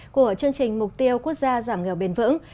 của chương trình mục tiêu quốc gia giảm nghèo bền vững